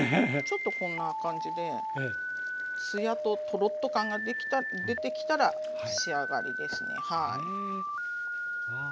ちょっとこんな感じでツヤとトロッと感が出てきたら仕上がりですね。